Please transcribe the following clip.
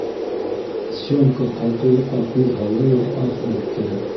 Сёмка ҡалҡыулыҡҡа күҙ һалды ла аһ итте!